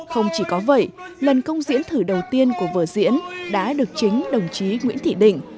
không chỉ có vậy lần công diễn thử đầu tiên của vở diễn đã được chính đồng chí nguyễn thị định